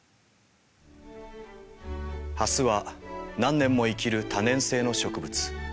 ハスは何年も生きる多年生の植物。